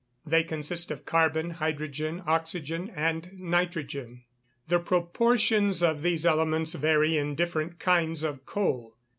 _ They consist of carbon, hydrogen, oxygen, and nitrogen. The proportions of these elements vary in different kinds of coal.